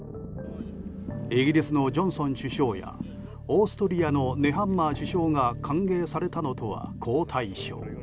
イギリスのジョンソン首相やオーストリアのネハンマー首相が歓迎されたのとは好対照。